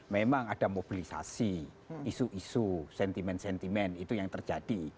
memang ada mobilisasi isu isu sentimen sentimen itu yang terjadi